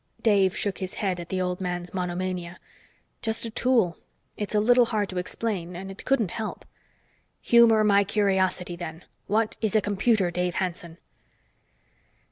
Dave shook his head at the old man's monomania. "Just a tool. It's a little hard to explain, and it couldn't help." "Humor my curiosity, then. What is a computer, Dave Hanson?"